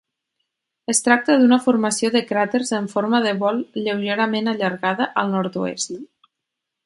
Es tracta d'una formació de cràters en forma de bol lleugerament allargada al nord-oest.